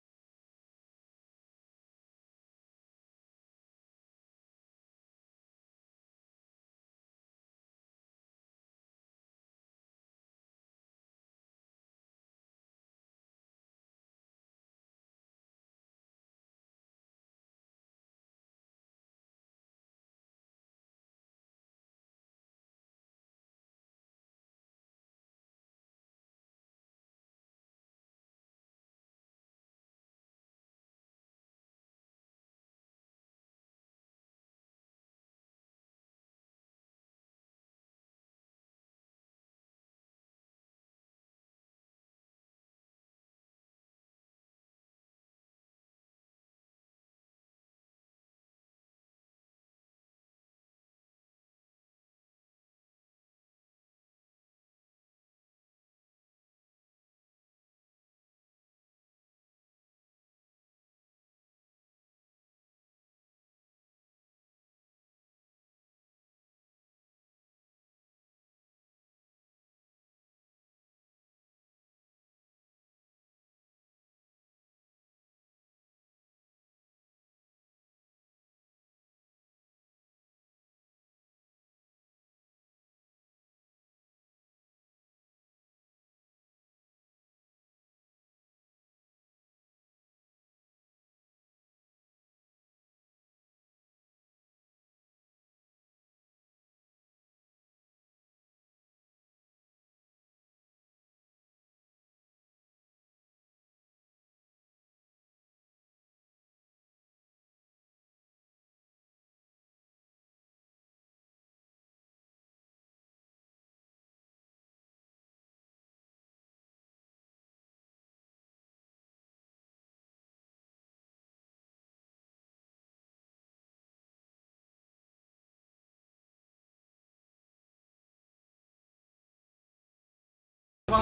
tuh kan lo kece amat